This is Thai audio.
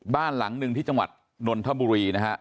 บ้านหลังหนึ่งที่จังหวัดนนทบุรีนะฮะ